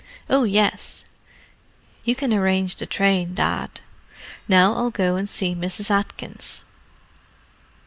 "Oh, yes. You can arrange the train, Dad. Now I'll go and see Mrs. Atkins."